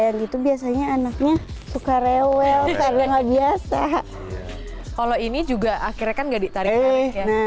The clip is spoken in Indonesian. kayak gitu biasanya anaknya suka rewel karena nggak biasa kalau ini juga akhirnya kan nggak ditarik